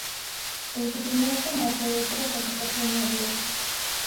En su primer combate, es derrotado por Sonya Blade.